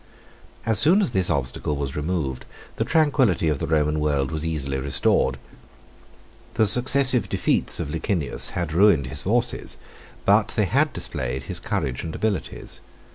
As soon as this obstacle was removed, the tranquillity of the Roman world was easily restored. The successive defeats of Licinius had ruined his forces, but they had displayed his courage and abilities.